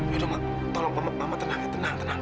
yaudah ma tolong mama tenang ya tenang tenang